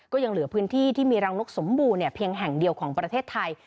ก็ยังเหลือพื้นที่ที่มีรังนกสมบูรณ์เพียงแห่งเดียวของประเทศไทย